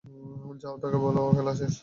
যাও তাকে বল, খেলা আজ শেষ।